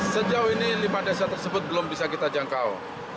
sejauh ini lima desa tersebut belum bisa kita jangkau